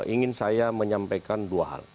ingin saya menyampaikan dua hal